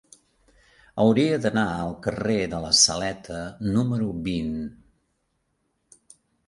Hauria d'anar al carrer de la Saleta número vint.